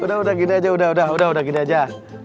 udah udah gini aja udah udah gini aja